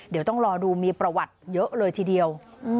เดี๋ยวต้องรอดูมีประวัติเยอะเลยทีเดียว